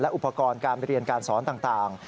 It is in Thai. อุปกรณ์การเรียนการสอนต่าง